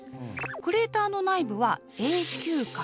クレーターの内部は「永久影」